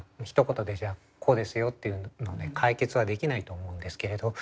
ひと言で「じゃあこうですよ」というのは解決はできないと思うんですけれど。